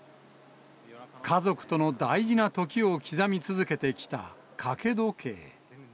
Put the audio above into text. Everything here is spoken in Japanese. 家族との大事な時を刻み続けてきたかけ時計。